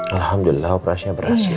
alhamdulillah operasinya berhasil